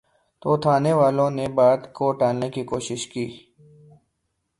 تو تھانے والوں نے بات کو ٹالنے کی کوشش کی۔